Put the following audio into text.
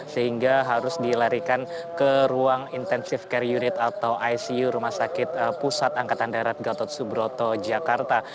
sehingga harus dilarikan ke ruang intensive care unit atau icu rumah sakit pusat angkatan darat gatot subroto jakarta